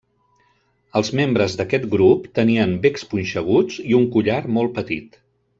Els membres d'aquest grup tenien becs punxeguts i un collar molt petit.